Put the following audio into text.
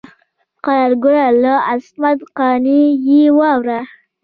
قرار ګله له عصمت قانع یې واوره.